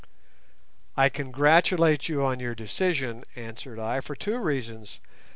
"I congratulate you on your decision," answered I, "for two reasons.